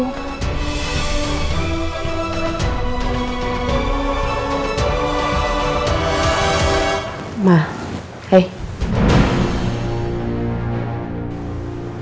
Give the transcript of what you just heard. ya allah apa randy yang benciku